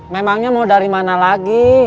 memangnya mau dari mana lagi